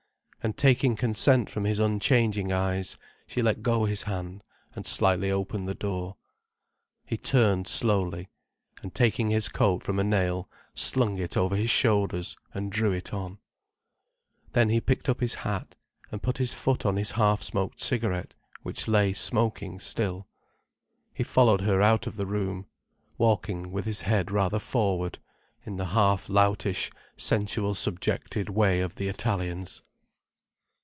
And taking consent from his unchanging eyes, she let go his hand and slightly opened the door. He turned slowly, and taking his coat from a nail, slung it over his shoulders and drew it on. Then he picked up his hat, and put his foot on his half smoked cigarette, which lay smoking still. He followed her out of the room, walking with his head rather forward, in the half loutish, sensual subjected way of the Italians.